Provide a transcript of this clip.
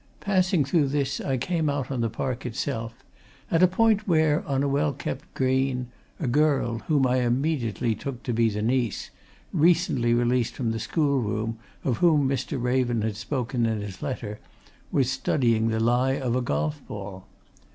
Passing through this, I came out on the park itself, at a point where, on a well kept green, a girl, whom I immediately took to be the niece, recently released from the schoolroom, of whom Mr. Raven had spoken in his letter, was studying the lie of a golf ball.